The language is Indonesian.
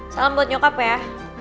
salam buat nyokap ya